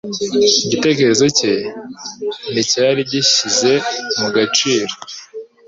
igitekerezo cye nticyari gishyize mu gaciro